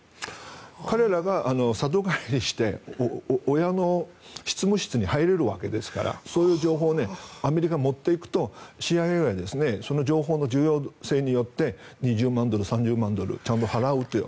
彼らが里帰りして親の執務室に入れるわけですからそういう情報をアメリカに持っていくとＣＩＡはその情報の重要性によって２０万ドル、３０万ドルちゃんと払うという。